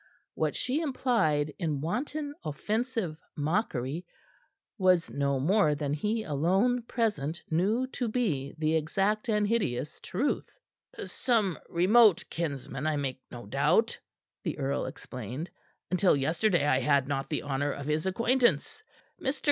What she implied in wanton offensive mockery was no more than he alone present knew to be the exact and hideous truth. "Some remote kinsman, I make no doubt," the earl explained. "Until yesterday I had not the honor of his acquaintance. Mr.